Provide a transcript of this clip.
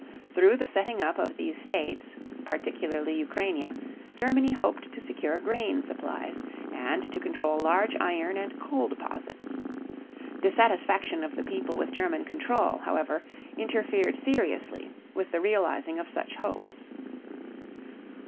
Through the setting up of these states, particularly Ukrainia, Germany hoped to secure grain supplies, and to control large iron and coal deposits. Dissatisfaction of the people with German control, however, interfered seriously with the realizing of such hopes.